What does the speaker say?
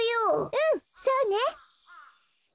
うんそうね！